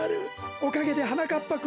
おかけではなかっぱくんはマメ